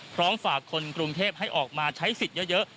พร้อมฝากคนกรุงเทพให้ออกมาใช้สิทธิ์เยอะ